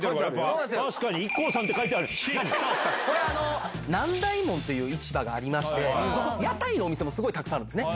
確かにＩＫＫＯさんて書いてこれ、南大門っていう市場がありまして、屋台のお店もすごいたくさんあるんですね。